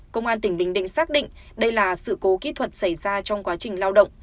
công an tỉnh bình định xác định đây là sự cố kỹ thuật xảy ra trong quá trình lao động